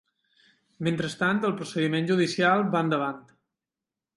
Mentrestant, el procediment judicial va endavant.